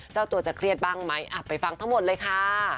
เจ้าตัวจะเครียดบ้างไหมไปฟังทั้งหมดเลยค่ะ